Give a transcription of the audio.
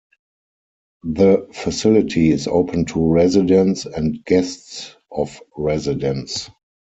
The facility is open to residents, and guests of residents.